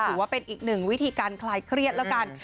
ถือว่าเป็นอีกหนึ่งวิธีการคลายเครียดแล้วกัน